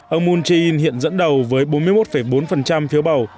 ông moon jae in hiện dẫn đầu với bốn mươi một bốn phiếu bầu